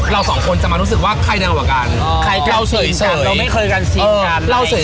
เราสองคนจะมารู้สึกว่าใครดังกว่ากันอ่าใครกันเฉยเฉยเราไม่เคยกันเฉยเฉย